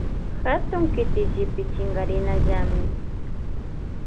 Katun kitillipi chinkarinallami.